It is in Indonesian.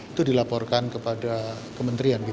itu dilaporkan kepada kementerian gitu ya